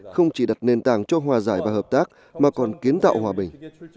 không chỉ đặt nền tảng cho hòa giải và hợp tác mà còn kiến tạo hòa bình